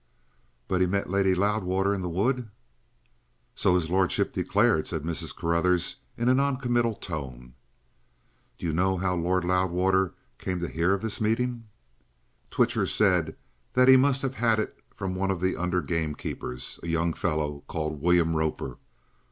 "But he met Lady Loudwater in the wood?" "So his lordship declared," said Mrs. Carruthers in a non committal tone. "Do you know how Lord Loudwater came to hear of their meeting?" "Twitcher said that he must have had it from one of the under gamekeepers, a young fellow called William Roper.